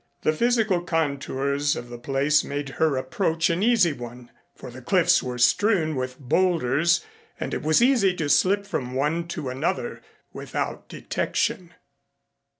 The physical contours of the place made her approach an easy one, for the cliffs were strewn with bowlders and it was easy to slip from one to another without detection.